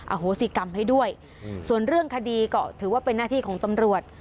โหสิกรรมให้ด้วยส่วนเรื่องคดีก็ถือว่าเป็นหน้าที่ของตำรวจ